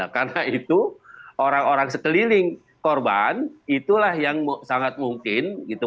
karena itu orang orang sekeliling korban itulah yang sangat mungkin gitu